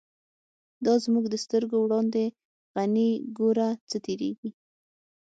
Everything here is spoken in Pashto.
دا زمونږ د سترگو وړاندی «غنی» گوره څه تیریږی